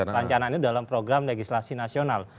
perencanaan itu dalam program legislasi nasional